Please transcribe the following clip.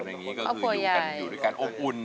ครอบครัวใหญ่